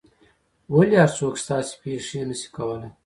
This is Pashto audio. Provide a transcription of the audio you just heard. ولي هر څوک ستاسو پېښې نه سي کولای؟